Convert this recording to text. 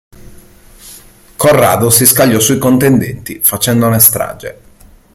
Corrado si scagliò sui contendenti, facendone strage.